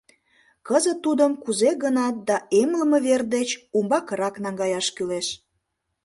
Кызыт тудым кузе гынат да эмлыме вер деч умбакырак наҥгаяш кӱлеш.